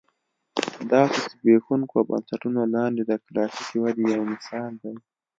دا تر زبېښونکو بنسټونو لاندې د کلاسیکې ودې یو مثال دی.